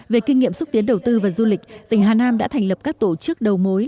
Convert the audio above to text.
về kinh nghiệm xúc tiến đầu tư và du lịch tỉnh hà nam đã thành lập các tổ chức đầu mối